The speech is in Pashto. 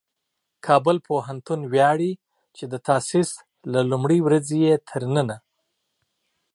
کابل پوهنتون ویاړي چې د تاسیس له لومړۍ ورځې یې تر ننه